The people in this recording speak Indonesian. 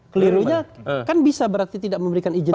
kelirunya kan bisa berarti tidak memberikan izin